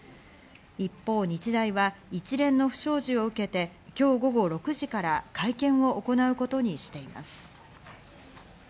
一方、日大は一連の不祥事を受けて、今日午後６時から会見を行うことにしています。